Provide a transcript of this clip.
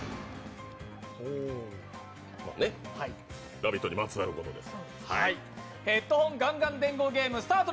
「ラヴィット！」にまつわることです。